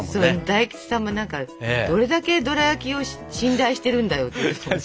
大吉さんも何か「どれだけドラやきを信頼してるんだよ」って言ってたもん。